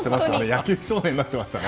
野球少年になっていましたね。